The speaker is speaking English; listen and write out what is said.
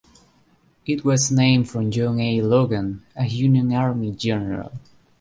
It was named for John A. Logan, a Union Army general.